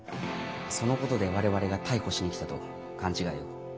そのことで我々が逮捕しに来たと勘違いを。